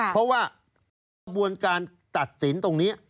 เพราะว่ากระบวนการตัดสินตรงนี้